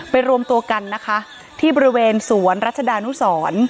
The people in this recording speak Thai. รวมตัวกันนะคะที่บริเวณสวนรัชดานุสร